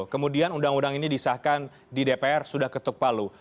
kemudian undang undang ini disahkan di dpr sudah ketuk palu